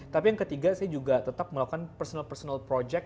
tapi yang ketiga saya juga tetap melakukan personal personal project